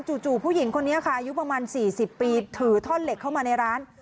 จู่ผู้หญิงคนนี้ค่ะอายุประมาณ๔๐ปีถือท่อนเหล็กเข้ามาในร้าน